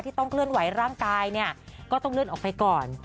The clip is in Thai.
ต้องเคลื่อนไหวร่างกายเนี่ยก็ต้องเลื่อนออกไปก่อน